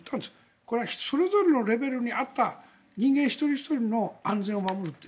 これはそれぞれのレベルに合った人間一人ひとりの安全を守るという。